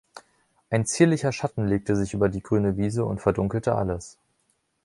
Ein zierlicher Schatten legte sich über die grüne Wiese und verdunkelte alles.